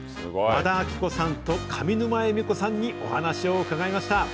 和田アキ子さんと上沼恵美子さんにお話を伺いました。